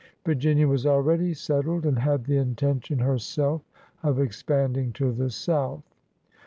Vir ginia was already settled and had the intention herself of expanding to the south.